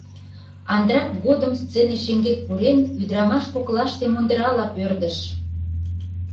Антракт годым, сцене шеҥгек пурен, ӱдырамаш коклаште мундырала пӧрдыш.